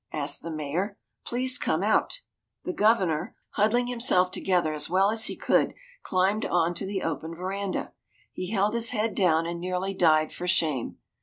asked the Mayor. "Please come out." The Governor, huddling himself together as well as he could, climbed on to the open verandah. He held his head down and nearly died for shame.